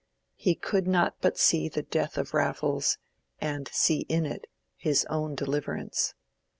He could not but see the death of Raffles, and see in it his own deliverance.